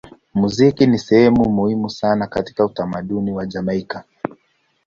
Muziki ni sehemu muhimu sana katika utamaduni wa Jamaika.